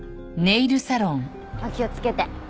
お気をつけて。